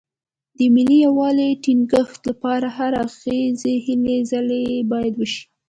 د ملي یووالي ټینګښت لپاره هر اړخیزې هلې ځلې باید وشي.